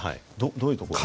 どういうところが？